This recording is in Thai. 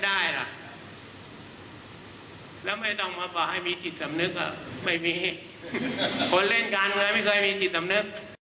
ไม่มีคนเล่นกันไงไม่เคยมีจิตสมนึก